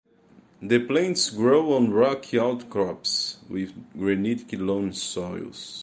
The plants grow on rocky outcrops with granitic loam soils.